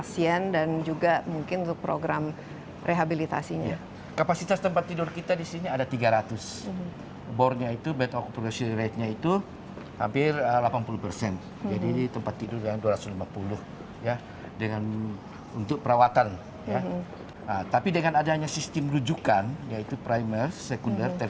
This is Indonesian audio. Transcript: kedua wilayah itu sama sama memiliki skor prevalensi dua tujuh kasus dalam sejarah